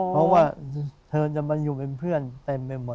เพราะว่าเธอจะมาอยู่เป็นเพื่อนเต็มไปหมด